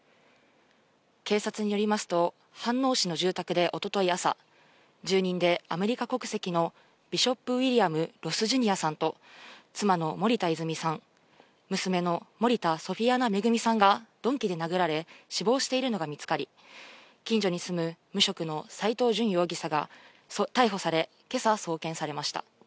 警察によりますと飯能市の住宅で一昨日朝、住人でアメリカ国籍のビショップ・ウィリアム・ロス・ジュニアさんと妻の森田泉さん、娘の森田ソフィアナ恵さんが鈍器で殴られ死亡しているのが見つかり、近所に住む無職の斎藤淳容疑者が逮捕され、今朝送検されました。